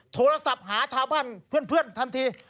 โทรศัพท์หาชาวบ้านเพื่อนทันที